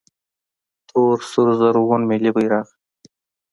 🇦🇫 تور سور زرغون ملي بیرغ